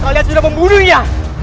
kalian sudah membunuhnya